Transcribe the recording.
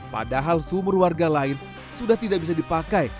padahal sumur warga lain sudah tidak bisa dipakai